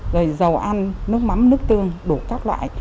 rồi dầu ăn nước mắm nước tương đủ các loại